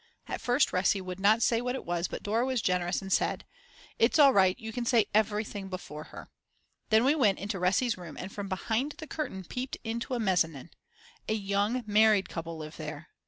At first Resi would not say what it was but Dora was generous and said: "It's all right, you can say everything before her." Then we went into Resi's room and from behind the curtain peeped into the mezzanin. A young married couple live there!!!